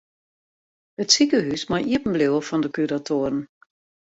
It sikehús mei iepen bliuwe fan de kuratoaren.